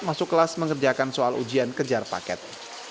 masuk kelas mengerjakan soal ujian kejar paket